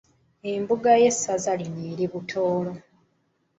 Embuga y’Essaza lino eri Butoolo